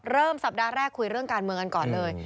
สัปดาห์แรกคุยเรื่องการเมืองกันก่อนเลย